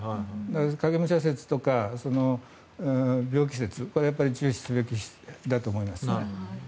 影武者説とか病気説これは注視すべきだと思います。